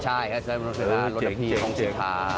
ใช่ครับเสือดำโครงศิษยาโรนพีโครงศิษยา